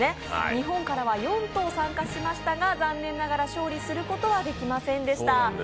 日本からは４頭参加しましたが残念ながら勝利することはできませんでした。